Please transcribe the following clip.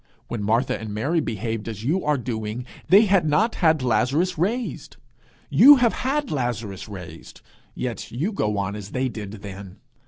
When Martha and Mary behaved as you are doing, they had not had Lazarus raised; you have had Lazarus raised, yet you go on as they did then!